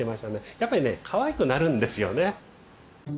やっぱりねかわいくなるんですよね。